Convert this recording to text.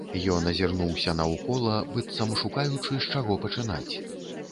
Ён азірнуўся наўкола, быццам шукаючы, з чаго пачынаць.